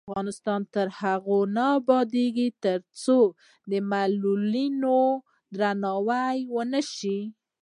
افغانستان تر هغو نه ابادیږي، ترڅو د معلولینو درناوی ونشي.